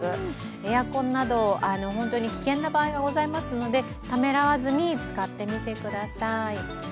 エアコンなど、本当に危険な場合がございますので、ためらわずに使ってください。